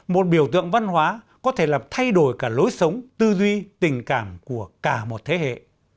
một biểu tượng văn hóa có thể làm thay đổi cả lối sống tư duy tình cảm của cả một thế hệ